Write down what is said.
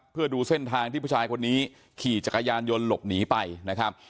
เพื่อดูเส้นทางที่ผู้ชายคนนี้ขี่จักรยานยนต์หลบหนีไปนะครับ